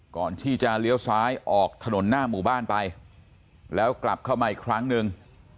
ก่อนที่จะเลี้ยวซ้ายออกถนนหน้าหมู่บ้านไปแล้วกลับเข้ามาอีกครั้งหนึ่ง